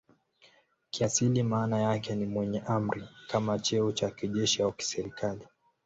Kiasili maana yake ni "mwenye amri" kama cheo cha kijeshi au kiserikali.